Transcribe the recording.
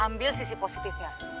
ambil sisi positifnya